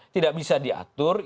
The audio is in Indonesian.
tidak bisa diatur